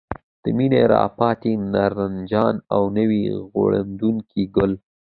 د مني راپاتې نارنجان او نوي غوړېدونکي ګل.